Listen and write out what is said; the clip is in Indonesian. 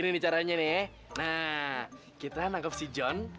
nah kita nangkep si john